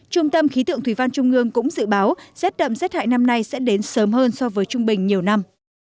trung tâm khí tượng thủy văn trung ương cũng dự báo rét đậm rét hại năm nay sẽ đến sớm hơn so với trung bình nhiều năm